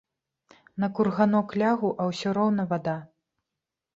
На курганок лягу, а ўсё роўна вада.